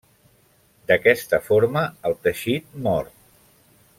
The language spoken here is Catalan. D'aquesta forma, el teixit mor.